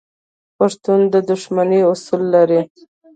پښتون د دښمنۍ اصول لري.